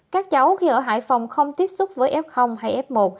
các cháu khi ở hải phòng không tiếp xúc với các cháu